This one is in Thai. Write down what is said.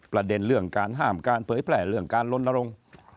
ประเด็นเรื่องการห้ามการเผยแพร่เรื่องการลนรงค์